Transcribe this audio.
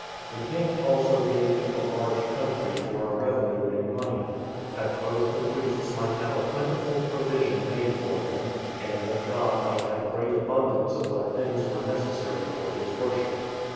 The king also gave him a large country for a revenue in money, that both the priests might have a plentiful provision made for them, and that God might have great abundance of what things were necessary for his worship.